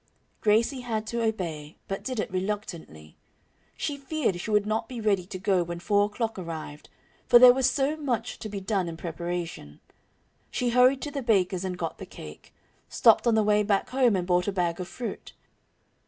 Gracie had to obey, but did it reluctantly. She feared she would not be ready to go when four o'clock arrived, for there was so much to be done in preparation. She hurried to the baker's and got the cake; stopped on the way back home and bought a bag of fruit.